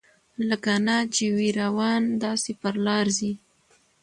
لکه نه چي وي روان داسي پر لار ځي